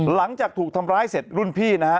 หลังจากถูกทำร้ายเสร็จรุ่นพี่นะฮะ